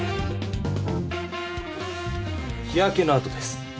日やけのあとです。